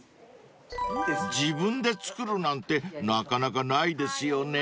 ［自分で作るなんてなかなかないですよね］